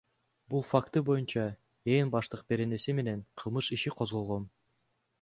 Бул факты боюнча Ээн баштык беренеси менен кылмыш иши козголгон.